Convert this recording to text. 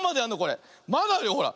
まだあるよほら。